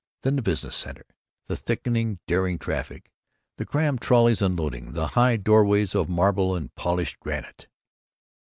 Then the business center, the thickening darting traffic, the crammed trolleys unloading, and high doorways of marble and polished granite.